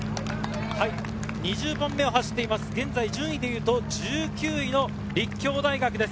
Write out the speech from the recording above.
２０番目を走っている、順位でいうと１９位の立教大学です。